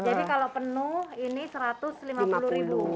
jadi kalau penuh ini satu ratus lima puluh ribu